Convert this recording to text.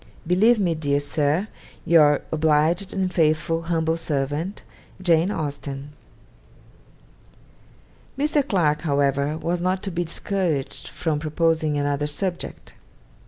'Believe me, dear Sir, 'Your obliged and faithful humbl Sert. 'JANE AUSTEN.' Mr. Clarke, however, was not to be discouraged from proposing another subject.